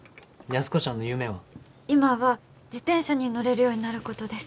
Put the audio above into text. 今は自転車に乗れるようになることです。